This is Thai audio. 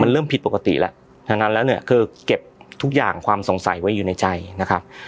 มันเริ่มผิดปกติแล้วดังนั้นแล้วเนี่ยคือเก็บทุกอย่างความสงสัยไว้อยู่ในใจนะครับ